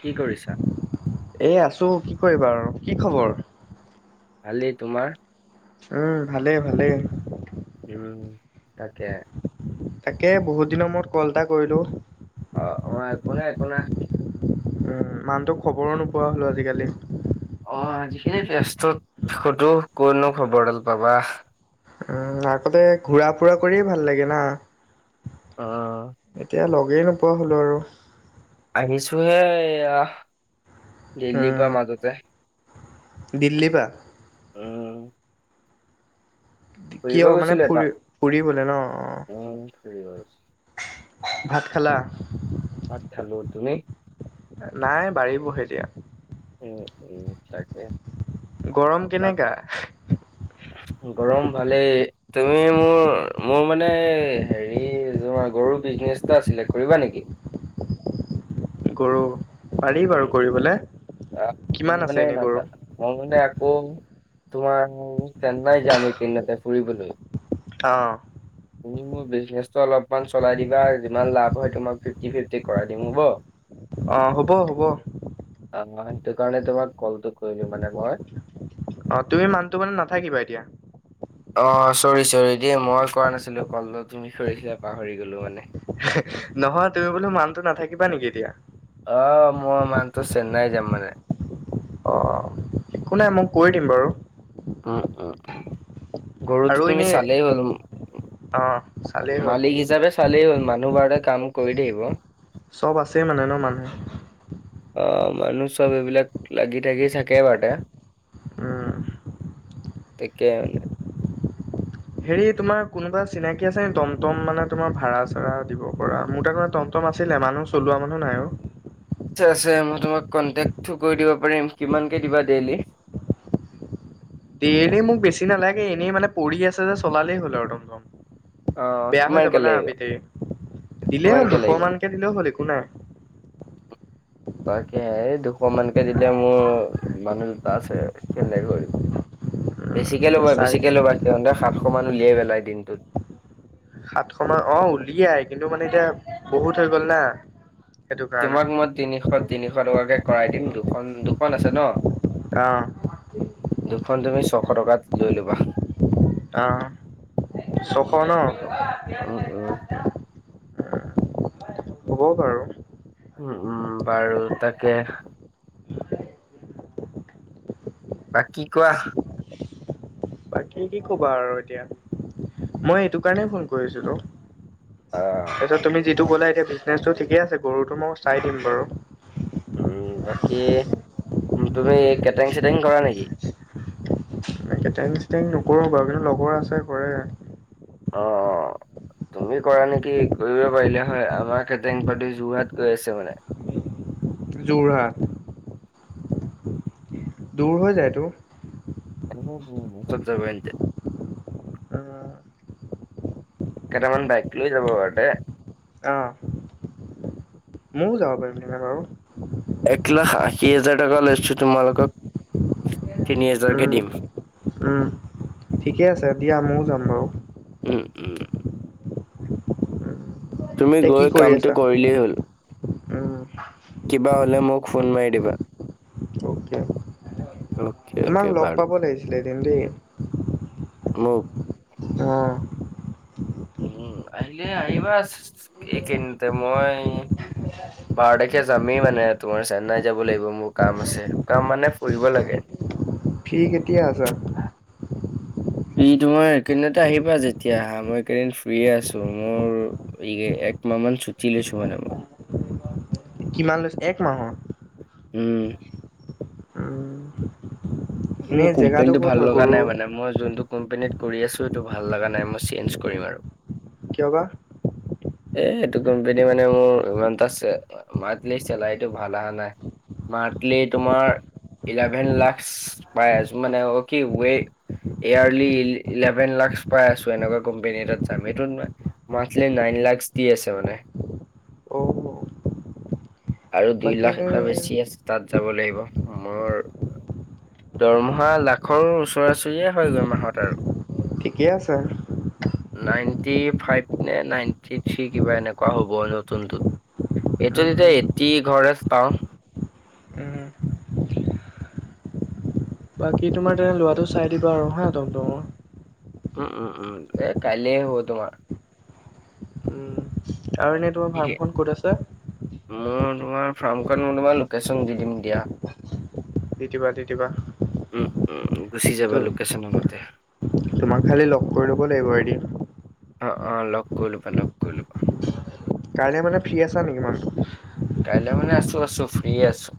কি কৰিছা এই আছোঁ কি কৰিবা আৰু কি খবৰ ভালি তোমাৰ [unintelligible] উম ভালেই ভালেই উম ত তাকে [unintelligible] তাকে বহুত দিনৰ মূৰত কল এটা কৰিলোঁ অ একো নাই একো নাই [unintelligible] উ মানুহটোক খবৰো নোপোৱা হলো আজিকালি আজি কালি ব্যস্ত সতো কতনো খবৰডাল পাবা [unintelligible] উম আগতে ঘূৰা ফুৰা কৰিয়ে ভাল লাগে না অ এতিয়া লগেই নোপোৱা হলো আৰু আহিছোহে এইয়া [unintelligible] দিল্লী উম পৰা মাজতে দিল্লী বা উম, কিয় ফুৰিব মানে গৈছিলো ফুৰি ফুৰিবলে ন অ এপাক উম ফুৰিব গৈছিল ভাত খালা ভাত খালো তুমি নাই বাঢ়িবহে এতিয়া উম উম তাকে গৰম বাক কেনেকা গৰম ভালেই তুমি মোৰ মোৰ মানে হেৰি তোমাৰ গৰম নে আছিলে কৰিবা নেকি [unintelligible] কৰোঁ পাৰি বাৰু কৰিবলৈ। উম। মানে ন মই মানে আকৌ তোমাৰ চেন্নাই যাম এই কেইদিনতে ফুৰিবলৈ। আহ। তুমি মোৰ বিজনেচটো অলপমান চলাই দিবা। যিমান লাভ হয় তোমাক মই ফিফটি ফিফটি কৰাই দিম হ'ব? অ হ'ব হ'ব। অ সেইটো কাৰণে তোমাক কলটো কৰিলো মানে মই অ তুমি মানুহটো মানে নাথাকিবা এতিয়া? অ চৰি চৰি দেই মই কৰা নাছিলো কল তুমি কৰিছিলা পাহৰি গলো মানে। নহয় তুমি বোলো মানুহটো নাথাকিবা নেকি এতিয়া? আহ মই মানুহটো চেন্নাই যাম মানে। অ একো নাই মই কৈ দিম বাৰু। উম উম। গৰুটো আৰু তুমি এনেই চাল হ'ল। অ', চালেই হ'ল। মালিক হিচাপে চাল হ'ল। মানুহবোৰে তো কাম কৰি থাকিব। চব আছেই মানে ন মানুহে অ মানুহ চব এইবিলাক লাগি থাগি থাকে বাৰতে। উম। তাকে মানে। হেৰি তোমাৰ কোনোবা চিনাকি আছে নে টমটম মানে তোমাৰ ভাড়া ছাড়া দিব পৰা মোৰ তাত মানে টমটম আছিলে মানুহ চলোৱা মানুহ নাই অ। আছে আছে মই তোমাক কংটেটো কৰি দিব পাৰিম কিমানকে দিবা ডেইলি? ডেইলি মোক বেছি নালাগে এনেই মানে পৰি আছে যে চলালেই হ'ল আৰু টমটম। অ বেয়া হৈ যাব কিমানকে না লাগিব বেটেৰী। দিলেই হ'ল কিমানকে দুশ লাগিব মানকে দিলেও হ'ল একো নাই। তাকে দুখ দুশ মানে কে দিলে মোৰ মানুহ দুটা আছে কেনেকৈ কৰিব? বেছিকে ল'বা চাৰে বেছিকে ল'বা সিহঁতে সাতশ মান উলিয়াই পেলাই দিনটোত। সাতশ মান অ উলিয়াই কিন্তু মানে এতিয়া বহুত হৈ গ'ল না। সেইটো কাৰণে। তোমাক মই তিনিশ তিনিশ টকাকে কৰাই দিম দুখন দুখন আছে ন? অ। দুখন তুমি ছশ টকাত লৈ ল'বা। আহ উম ছশ উম ন। হ'ব উম উম হ'ব বাৰু। উম উম বাৰু তাকে। বাকী কোৱা? বাকী কি ক'বা আৰু এতিয়া মই এইটো কাৰণে ফোন কৰিছিলোঁ আহ এইটো তুমি যিটো বাকী ক'লা এতিয়া বিজনেচটো ঠিকে আছে গৰুটো মই চাই দিম বাৰু। উম বাকী তুমি কেটাৰিং চেটিং কৰা নেকি? এ কেটেঙ চেটেঙ নকৰোঁ বাৰু কিন্তু লগৰ আছে কৰে। অ অ। তুমি কৰা নেকি কৰিব পাৰিলে হয় আমাৰ কেটেং পাৰ্টি যোৰহাট গৈ আছে মানে। [unintelligible] [unintelligible] যোৰহাট। দূৰ হৈ যায়তো। উম হম চব যাব এতিয়া। কেইটামান বাইক লৈ যাব তাতে। অঁ। ময়ো যাব পাৰিম তেনেহলে বাৰু। এক লাখ আশী হাজাৰ টকা লৈছো তোমালোকক তিনি হজাৰকে উম দিম। ঠিকে আছে দিয়া ময়ও যাম বাৰু। উম উম। তুমি এতিয়া কি গৈ কৰি কামটো আছা কৰিলেই হল। উম কিবা হ'লে মোক ফোন মাৰি দিবা। অ'কে অ'কে, অ'কে তোমাক লগ বাৰু পাব লাগিছিলে এদন দেই। মোক? অ'। উম আহিলে আহিবা, এইকেইনতে মই। বাৰ তাৰিখে যামেই মানে তোমাৰ চেন্নাই যাব লাগিব মোৰ কাম আছে কাম মানে ফুৰিব লাগে। [unintelligible] ফি কেতিয়া আছা? ফ্ৰি তোমাৰ একেদিনতে আহিবা, যেতিয়া আহা মই কেইদিন ফ্ৰি আছো, মোৰ। এক মা মান চুটি লৈছো মানে মই। কিমান লৈছো এক মাহৰ। উম্। উম মোৰ এনেই জেগাটো কোম্পানীতটো ক'ত ভাল হয় লগা গৰু নাই মানে মই য। কোম্পেনীত কৰি আছো এইটো ভাল লগা নাই মই চেঞ্জ কৰিম, আৰু কিয়বা? এ এইটো কোম্পানী মানে মোৰ ইমানটা মন্থলি চেলাৰীটো ভাল অহা নাই। মান্থলি তোমাৰ ইলেভেন লাখছ পাই আছোঁ মানে কি। এয়েৰলি এলেৱেন লাখছ পাই আছোঁ এনকা কম্পেনী এটাত যাম এইটো নো মন্তলি। লাখ দি আছে মানে। অ চ আৰু দুই বাকী লাখ এনে এটা বেছি আছে তাত যাব লাগিব মোৰ, দৰমহা লাখৰ ওচৰাচৰিয়ে হয় গৈ মাহত আৰু ঠিকে আছে। ফিভতী ফাইভ নে নাইনটি থ্ৰী কিবা এনেকুৱা হ'ব নতুনটোত। এইটো তেতিয়া উম এটি ঘৰে পাওঁ। উম, বাকী তোমাৰ তেনে লৰাটো চাই দিবা আৰু হা তম তম। উম উম উম এ কল হ তোমাৰ। উম আৰু এনেই তোমাৰ ঠিকে, ফাৰ্মখন ক'ত আছে। মোৰ তোমাৰ ফাৰ্মখন ম তোম লোকেশ্যন দি দিম দিয়া। তেতিয়পা তেতিপা। উম উ উ। ত তোমাক খালি লগ কৰি ল'ব লাগিব এদিন। অ অ লগ কৰি লবা লগ কৰি লবা। কাইলৈ মানে ফ্ৰী আছা নেকি মানুহ। কাইলৈ মানে আছো আছো ফ্ৰ আছো।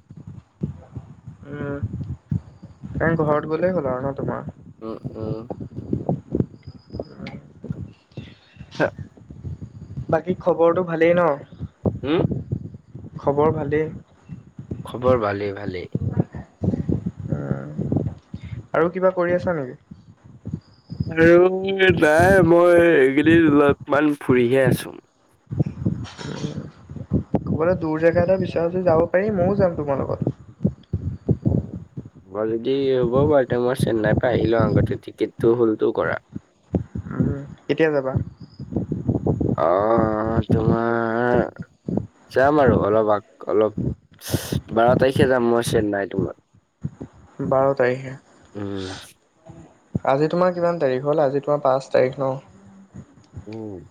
এ ঘৰত গ'লেই হ'ল আৰু ন তোমাৰ। অ'। হয়। বাকী খবৰটো ভালেই ন। হা। খবৰ ভালেই। খবৰ ভালে ভালে। উম, আৰু কিবা কৰি আছা নেকি? আৰু নাই মই এই কেদিন অলপমান ফুৰিহে আছো। ক'বলৈ দূৰ জেগা এটা বিচাৰচো যাব পাৰিম ময়ো যাম তোমাৰ লগত। উম হয় যদি হ'ব বাৰু তে মই চেন্নাইৰ পৰা আহিলও আগতে টিকেতটো হ'লতো কৰা কেতিয়া যাবা অহ তোমাৰ যাম আৰু অলপ আ অলপ বাৰ তাৰিখে যাম মই চেন্নাই তোমাৰ বাৰ তাৰিখে উম, আজি তোমাৰ কিমান তাৰিখ হ'ল আজি তোমাৰ পাঁচ তাৰিখ ন উম।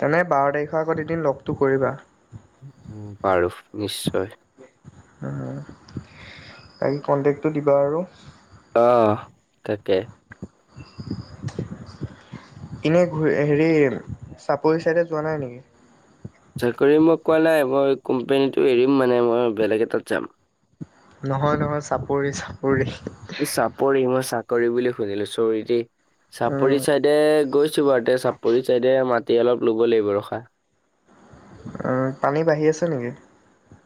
তেনে বাৰ তাৰিখৰ আগত এদিন লগটো কৰিবা। বাৰু নিশ্চয় তাকে কণ্টেক্টটো দিবা আৰু অ তাকে এনেই ঘূৰি হেৰি চাপৰি ছাইডে যোৱা নাই নেকি চাকৰি মই পোৱা নাই মই কোম্পেনীটো এৰিম মানে মই বেলেগ এটাত যাম নহয় নহয় চাপৰি চাপৰি এই চাপৰি মই চাকৰি বুলি শুনিলো চৰিট উম, চাপৰি চাইডে গৈছো বাৰু তে চাপৰি চাইদে মাটি অলপ লব লাগিব ৰখা অ পানী বাঢ়ি আছে নেকি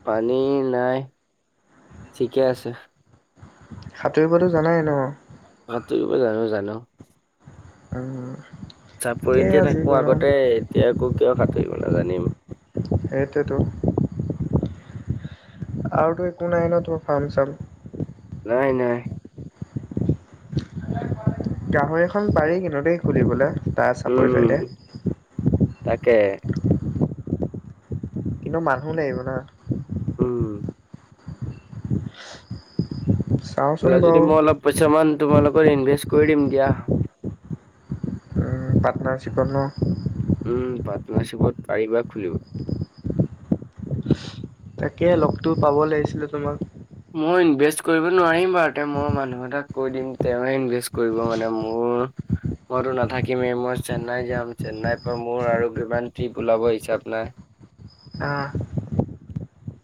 পানী নাই ঠিকে আছে সাঁতুৰিবতো জানাই ন সাঁতুৰিব জানো জানো উম, চাপৰি একেই দিয়া আজি থাকোতে গৰম আগতে এতিয়া আকৌ কিয় সাঁতুৰিব নাজানিম সেইটোৱেতো আৰুতো একো নাই ন তোমাৰ ফ্ৰাম চাম নাই নাই গাহৰি এখন পাৰি কিনোতেই খুলিবলৈ তাৰ চাপৰি উম যায় দে তাকে কিন্তু মানুহো লাগিব না উম চাওচোন বোলা যদি বাৰু মই অলপ পইচা মান তোমালোকৰ ইনভেষ্ট কৰি দিম দিয়া। নাই চিকনো। উম পাৰ্টনাৰশ্বিপত পাৰিবা খুলিব। তাকে লগতো পাব লাগিছিলে তোমাক। মই ইনভেষ্ট কৰিব নোৱাৰিম বাৰু তে মই মানুহ এটাক কৈ দিম তেওঁ ইনভেষ্ট কৰিব মানে মোৰ। মইতো নাথাকিমেই মই চেন্নাই যাম চেন্নাইৰ পৰা মোৰ আৰু কিমান ট্ৰিপ ওলাব হিচাপ নাই। আহ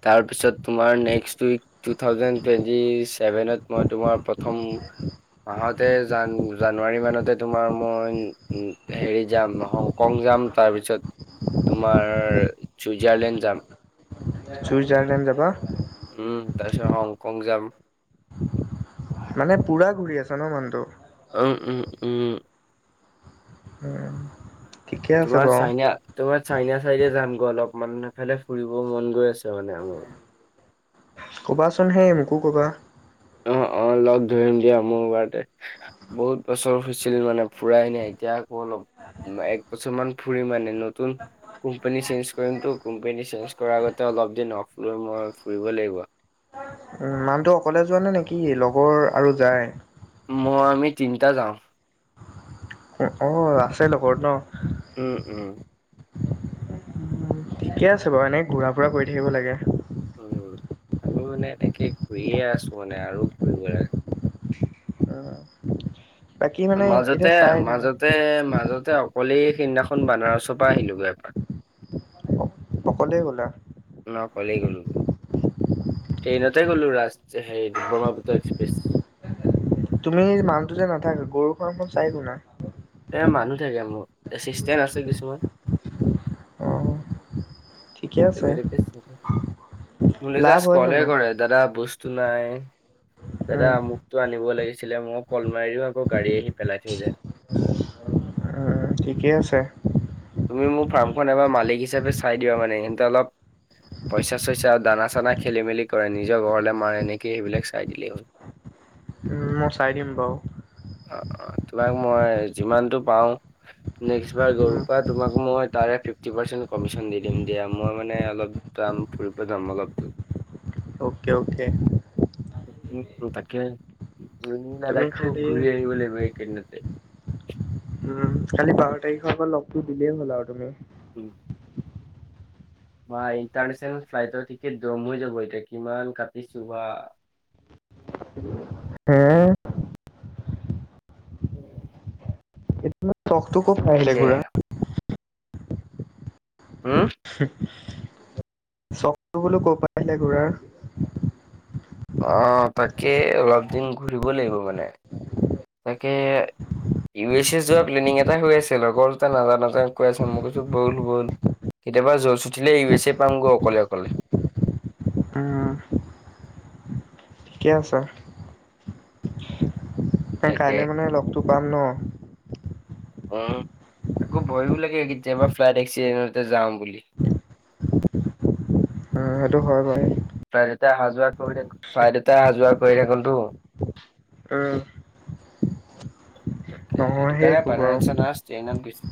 তাৰপিছত তোমাৰ next week two thousand twenty ছেভেনত মই তোমাৰ প্ৰথম। মাহতে জ জানুৱাৰী মানতে তোমাৰ মই হেৰি যাম নংকং। যাম তাৰপিছত তোমাৰ চুইজাৰলেণ্ড যাম। চুইজাৰলেণ্ড যাবা। উম তাৰপিছত হংকং যাম। মানে পুৰা ঘূৰি আছে ন মানুহটো। উম উম উম। উম ঠিকে আছে তোমাৰ বাৰু চাইন তোমাৰ। চাইনা চাইড যামগৈ অলপমান সিফালে ফুৰিব মন গৈ আছে মানে আ। কবাচোন হেই মোকো কবা। অ অ লগ ধৰিম দিয়া মোৰ বাৰতে বহুত বছৰ হৈছিল মানে পুৰাই এনে এতিয়া আকৌ অলপ। একবছৰ মান ফুৰি মানে নতুন। কোম্পানী কোম্পানী চজ কৰ আগতে অলপ ফুৰিব লাগিব। উ মানুহটো অকলে যোৱা নে নেকি লগৰ আৰু যায়। মই আমি তিনিটা যাওঁ। অ অ আছে লগত ন। উম উম। ঠিকে আছে বাৰু এনেই ঘূৰা ফুৰা কৰি থাকিব লাগে। উ আমিও মানে এনেকে ঘূৰিয়ে আছো মানে আৰু ঘূৰিব লাগে। বাকী মানে এতিয়া মাজতে চাই শুনা মাজতে মাজতে। কলেই সেইদিনাখন বানাৰসৰ পৰা আহিলোঁ গৈ এপাক। অকলে গ'লা। মই অকলেই গ'লো। ট্ৰেইনতে গ'লো ৰাজ হেৰি ব্ৰহ্মপুত্ৰ এক্সপ্ৰেছ। তুমি মানুটো যে নাথাকা গৰুৰখনখন চাই কোনে। এ মানুহ থাকে মোৰ এচিষ্টেন্ট আছে কিছুমান। অ', ঠিকে আছে মোলে লাভ জাষ্ট হয় কল হে জানো কৰে দাদা ব। বস্তু নাই দাদা উম, আমুকটো আনি। লাগিছিলে মই কল মাৰি দিওঁ আকৌ গাড়ী আহি পেলাই থৈ যায়। উম, ঠিকে আছে। তুমি মোৰ ফাৰ্মখন এবাৰ মালিক হিচাপে চাই দিয়া মানে সেতে অলপ। পইচা চইচা দানা চানা খেলি মেলি কৰে নিজৰ ঘৰলৈ মানে এনেকে সেইবিলাক চাই দিলেই হ'ল। [unintelligible] উম, মই চাই দিম বাৰু। অ অ তোমাক মই যিমানটো পাওঁ নেক্সট বাৰ গৰু। উম, তোমাক মই তাৰে ফিফটি পাৰ্চন্ত কমিশন দিম দিয়া মই মানে অলপাম ফুৰিব যাম। [unintelligible] Okay okay. উ তাকে তুমি লাদাখো খালি ঘূৰি আহিব লাগিব এইকেইদিনতে। উম কালি বাৰ তাৰিখৰ পা লগতটো দিলেই হ'ল আৰু তুমি। উম [unintelligible] বা ইণ্টাৰনে্চনেল ফ্লাইটৰ টিকেট দম হৈ যাব এতিয়া কিমান কাটিছো বা। [unintelligible] এ। উম। এইটো চখটো ক'ত পাই আহিলে তাকে ঘুৰা। হুম চখ বোলো ক'ৰ পৰা আহিলে ঘূৰাৰ। অ তাকে অলপ দিন ঘূৰিব লাগিব মানে। তাকে। ইউ এছ এ যোৱা প্লেনিং এটা হৈ আছে লগৰ দুটা নাযাওঁ নাযাওঁ কৈ আছে মই কৈছো বল বল। কেতিয়াবা জচ উঠিলে ইউ এছ এ পামগৈ অকলে অকলে। ঠিকে আছে। তাকে কাইলৈ মানে লগটো পাম ন। উ আকৌ ভয়ো লাগে কেতিয়াবা ফ্লাইট এক্সিডেণ্টতে যাওঁ বুলি। [unintelligible] উ সেইটো হয় বাৰু। ফ্লাইটতে অহা যোৱা কৰি থাক ফ্লিটতে অহা যোৱা কৰি থাকোনতো। উম। তাকে নহয় সেইটো সেই কাৰণে একো বাৰু বানাৰাছ চন ট্ৰেইনত গৈছে।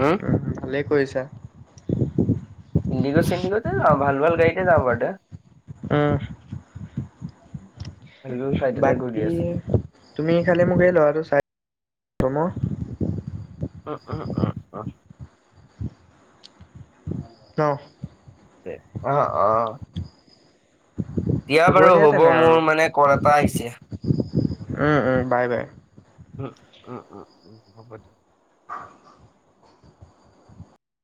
উ উম, ভালেই কৰিছা ইণ্ডিগ চণ্ডিগতে যাম। ভাল ভাল গাড়িতে যাম বাদ। উম। ভাল ভাল ফ্লাইটতে ঘূৰি বাকী আছো। তুমি খালি মোক এই ল'ৰাটো চাই। অ অ অ অ। দহ অহ অহ। দিয়া বাৰু হব মোৰ মানে কল এটা আহিছে। উ ম উম বাই বাই। উম উম উম উম হ'ব দিয়া।